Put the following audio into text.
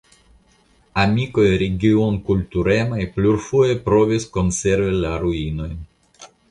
Amikoj regionkulturemaj plurfoje provis konservi la ruinojn.